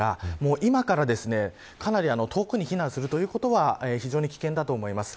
今から、かなり遠くに避難することは非常に危険だと思います。